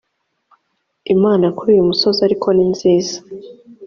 imana kuri uyu musozi ariko ninziza